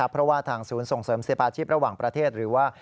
เพราะว่าทางศูนย์ส่งเสริมเสียปาชีพระหว่างประเทศหรือว่า